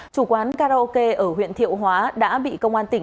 chủ quán karaoke ở huyện thiệu hóa đã bị công an tỉnh